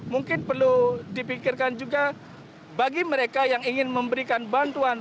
mungkin perlu dipikirkan juga bagi mereka yang ingin memberikan bantuan